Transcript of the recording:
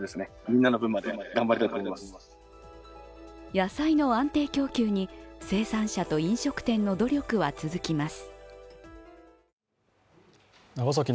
野菜の安定供給に生産者と飲食店の努力は続きます。